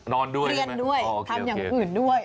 ด้วยเรียนด้วยทำอย่างอื่นด้วย